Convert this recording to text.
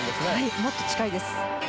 もっと近いです。